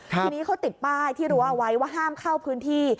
ทีนี้เขาติดป้ายที่รู้เอาไว้ว่าห้ามเข้าพื้นที่